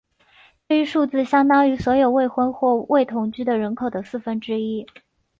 这一数字相当于所有未婚或未同居的人口的四分之一。